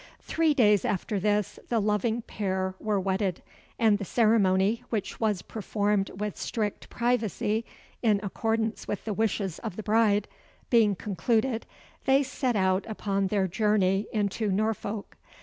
Three days after this, the loving pair were wedded; and the ceremony which was performed with strict privacy, in accordance with the wishes of the bride being concluded, they set out upon their journey into Norfolk.